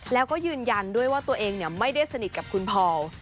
แล้วก็ยืนยันด้วยว่าตัวเองไม่ได้สนิทกับคุณพอล